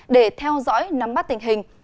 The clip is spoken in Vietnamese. để theo dõi nắm bắt tình hình